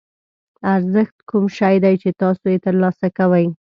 ارزښت کوم شی دی چې تاسو یې ترلاسه کوئ.